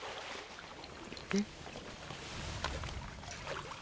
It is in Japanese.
えっ。